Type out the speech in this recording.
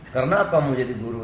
kenapa mau jadi guru